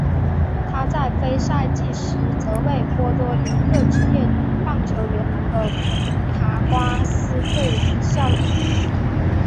他在非赛季时则为波多黎各职业棒球联盟的卡瓜斯队效力。